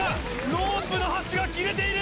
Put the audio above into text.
ロープの端が切れている！